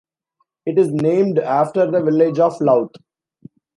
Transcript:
It is named after the village of Louth.